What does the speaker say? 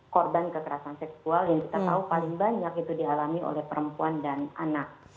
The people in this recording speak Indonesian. korban kekerasan seksual yang kita tahu paling banyak itu dialami oleh perempuan dan anak